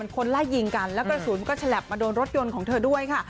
คนไล่ยิงกันแล้วกระสุนก็ฉลับมาโดนรถยนต์ของเธอด้วยค่ะ